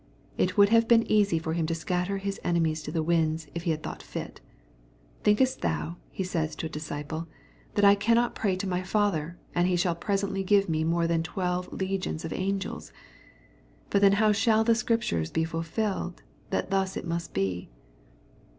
It would have been easy for Him to scatter His enemies to the winds, if he had thought fit. *^ Thinkest thou/' He says to a disciple, " that I cannot pray to my Father, and he shall presently give me more than twelve legions of angels ? But how then shall the Scriptures be fulfilled, that thus it must be